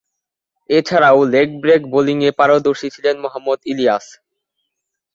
এছাড়াও, leg break বোলিংয়ে পারদর্শী ছিলেন মোহাম্মদ ইলিয়াস।